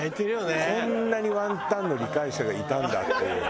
こんなにワンタンの理解者がいたんだっていう。